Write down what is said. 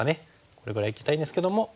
これぐらいいきたいんですけども。